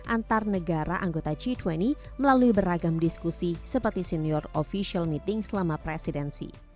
antar negara anggota citwini melalui beragam diskusi seperti senior official meeting selama presidensi